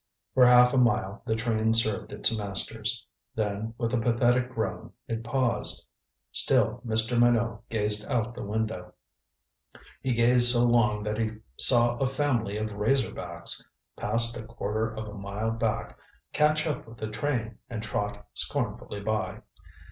For half a mile the train served its masters. Then, with a pathetic groan, it paused. Still Mr. Minot gazed out the window. He gazed so long that he saw a family of razor backs, passed a quarter of a mile back, catch up with the train and trot scornfully by.